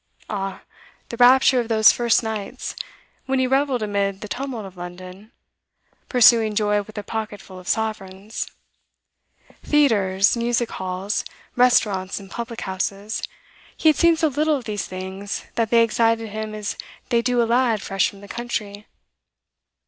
Ah, the rapture of those first nights, when he revelled amid the tumult of London, pursuing joy with a pocket full of sovereigns! Theatres, music halls, restaurants and public houses he had seen so little of these things, that they excited him as they do a lad fresh from the country.